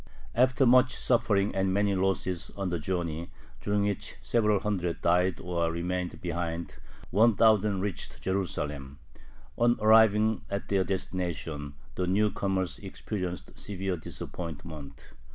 After much suffering and many losses on the journey, during which several hundred died or remained behind, one thousand reached Jerusalem. On arriving at their destination the new comers experienced severe disappointment.